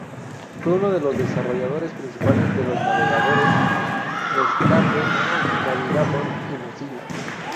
Fue uno de los desarrolladores principales de los navegadores Netscape Navigator y Mozilla.